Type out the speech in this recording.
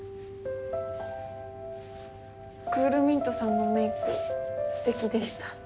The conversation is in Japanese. クールミントさんのメークすてきでした。